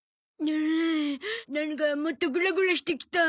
ううなんかもっとグラグラしてきた。